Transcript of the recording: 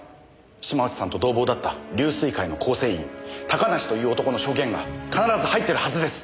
島内さんと同房だった龍翠会の構成員高梨という男の証言が必ず入ってるはずです。